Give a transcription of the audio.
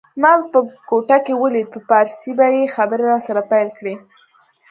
ما به په کوټه کي ولید په پارسي به یې خبري راسره پیل کړې